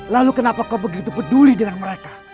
lalu kenapa kau begitu peduli dengan mereka